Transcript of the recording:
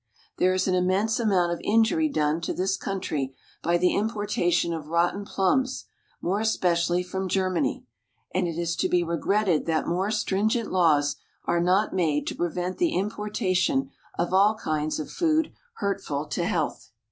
There is an immense amount of injury done to this country by the importation of rotten plums, more especially from Germany, and it is to be regretted that more stringent laws are not made to prevent the importation of all kinds of food hurtful to health.